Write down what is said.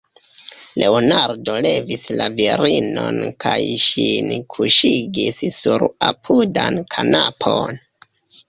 Leonardo levis la virinon kaj ŝin kuŝigis sur apudan kanapon.